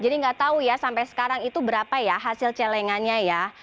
nggak tahu ya sampai sekarang itu berapa ya hasil celengannya ya